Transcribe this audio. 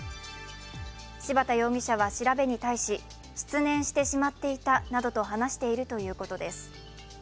柴田容疑者は調べに対し失念してしまっていたなどと話しているということです。